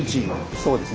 そうですね